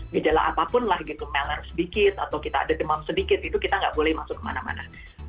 gejala apapun lah gitu mail sedikit atau kita ada demam sedikit itu kita nggak boleh masuk kemana mana